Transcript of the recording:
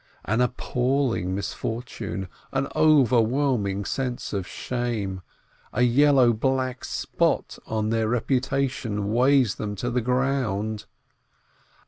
An appalling misfortune, an overwhelming sense of shame, a yellow black spot on their reputation weighs them to the ground.